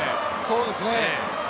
そうですね。